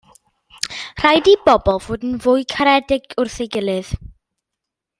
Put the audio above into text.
Rhaid i bobl fod yn fwy caredig wrth ei gilydd.